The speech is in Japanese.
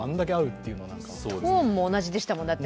トーンも同じでしたもん。